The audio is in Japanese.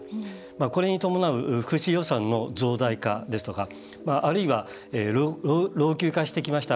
これに伴う福祉予算の増大化ですとかあるいは、老朽化してきました